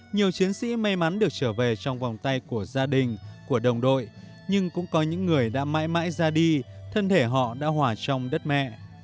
nhiều chiến sĩ may mắn được trở về trong vòng tay của gia đình của đồng đội nhưng cũng có những người đã mãi mãi ra đi thân thể họ đã hỏa trong đất mẹ